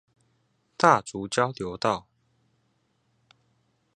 大竹交流道